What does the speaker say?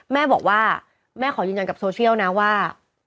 แม่บอกว่าแม่ขอยืนยันกับโซเชียลนะว่า